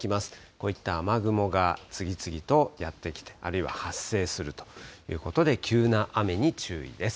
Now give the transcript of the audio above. こういった雨雲が次々とやって来て、あるいは発生するということで、急な雨に注意です。